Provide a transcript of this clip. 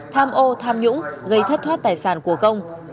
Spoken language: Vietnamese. tham ô tham nhũng gây thất thoát tài sản của công